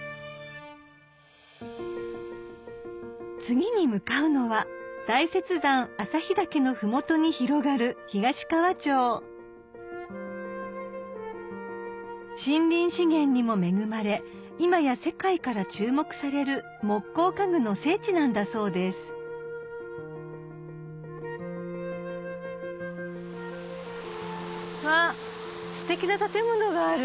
次に向かうのは大雪山旭岳の麓に広がる東川町森林資源にも恵まれ今や世界から注目される木工家具の聖地なんだそうですわっステキな建物がある。